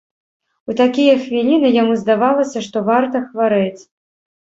У такія хвіліны яму здавалася, што варта хварэць.